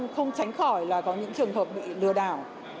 không tránh khỏi là có những trường hợp bị lừa đảo